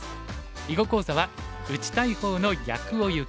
囲碁講座は「打ちたい方の逆をゆけ！」。